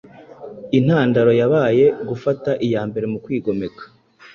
intandaro yabaye gufata iya mbere mukwigomeka